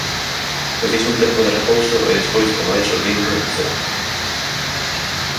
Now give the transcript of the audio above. Preciso un tempo de repouso e despois como vaia xurdindo, será.